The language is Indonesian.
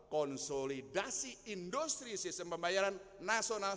konsolidasi industri sistem pembayaran nasional